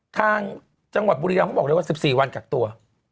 ทางจังหวัดบุรีรำเขาบอกเลยว่า๑๔วันกักตัว